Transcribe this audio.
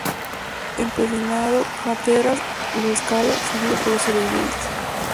Empecinado, Hatteras lo escala, seguido por los sobrevivientes.